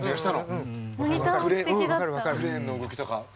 クレーンの動きとか。